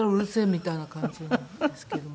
みたいな感じなんですけども。